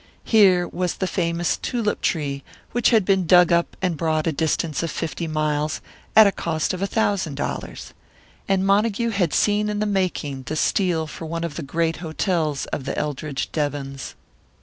Here was the famous tulip tree, which had been dug up and brought a distance of fifty miles, at a cost of a thousand dollars. And Montague had seen in the making the steel for one of the great hotels of the Eldridge Devons!